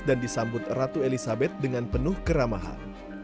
dan disambut ratu elisabeth dengan penuh keramahan